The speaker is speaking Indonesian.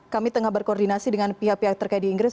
kami tengah berkoordinasi dengan pihak pihak terkait di inggris